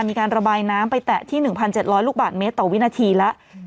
มีการระบายน้ำไปแตะที่๑๗๐๐ลูกบาทเมตรต่อวินาทีแล้ว